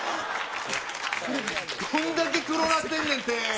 どんだけ黒なってんねん、手。